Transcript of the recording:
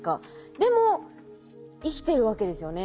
でも生きてるわけですよね。